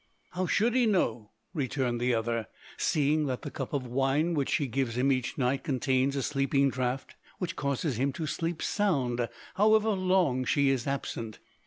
'How should he know?' returned the other, 'seeing that the cup of wine which she gives him each night contains a sleeping draught, that causes him to sleep sound however long she is absent.